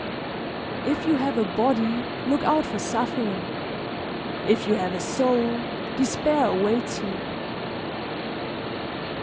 If you have a body, look out for suffering; if you have a soul, despair awaits you.